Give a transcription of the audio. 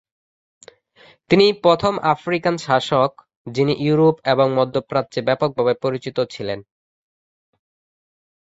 তিনি প্রথম আফ্রিকান শাসক যিনি ইউরোপ এবং মধ্যপ্রাচ্যে ব্যাপকভাবে পরিচিত ছিলেন।